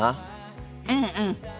うんうん。